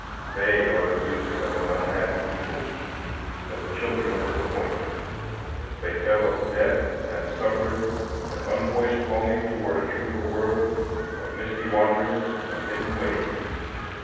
They are the music of an unhappy people, of the children of disappointment; they tell of death and suffering and unvoiced longing toward a truer world, of misty wanderings and hidden ways.